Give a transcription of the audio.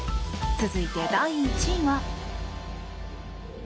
続いて、第１位は。